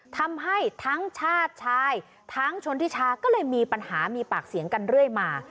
ทำให้ทั้งชาติชายทั้งชนทิชาก็เลยมีปัญหามีปากเสียงกันเรื่อยมา